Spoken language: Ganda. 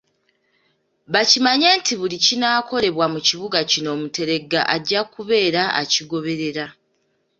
Bakimanye nti buli kinaakolebwa mu kibuga kino Omuteregga ajja kubeera akigoberera.